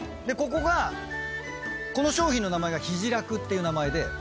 ここがこの商品の名前がＨＩＪＩＲＡＫＵっていう名前で。